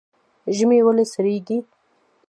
ژمی ولې سړیږي؟